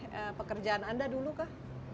dari pekerjaan anda dulu kah